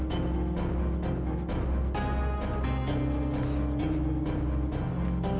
tapi kalau nona kejebak sama jody